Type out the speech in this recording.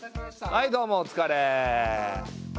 はいどうもおつかれ。